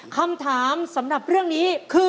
คำถามสำหรับเรื่องนี้คือ